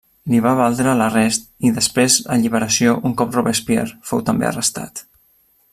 Li va valdre l'arrest i després alliberació un cop Robespierre fou també arrestat.